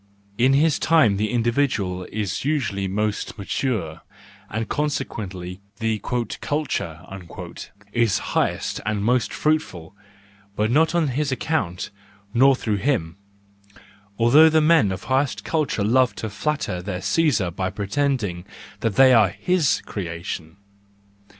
In his time the individual is usually most mature, and consequently the "culture" is highest and most fruitful, but not on his account nor through him: although the men of highest culture love to flatter their Caesar by pretending that they are his creation.